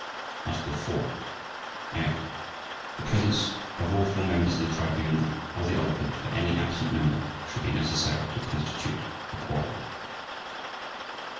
Article 4. (a) The presence of all four members of the Tribunal or the alternate for any absent member shall be necessary to constitute the quorum.